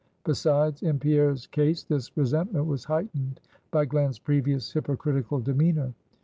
Besides, in Pierre's case, this resentment was heightened by Glen's previous hypocritical demeanor.